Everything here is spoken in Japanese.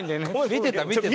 見てた見てた。